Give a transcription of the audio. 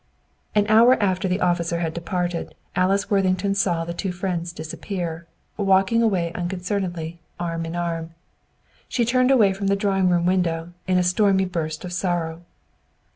An hour after the officer had departed, Alice Worthington saw the two friends disappear, walking away unconcernedly, arm in arm. She turned away from the drawing room window, in a stormy burst of sorrow.